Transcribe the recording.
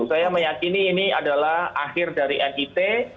saya meyakini ini adalah akhir dari mit